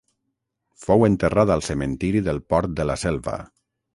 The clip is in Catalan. Fou enterrat al cementiri del Port de la Selva.